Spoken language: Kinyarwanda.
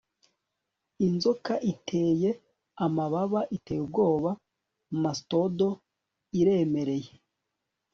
Inzoka iteye amababa iteye ubwoba mastodon iremereye